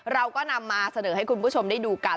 เราก็นำมาเสนอให้คุณผู้ชมได้ดูกัน